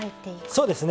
そうですね。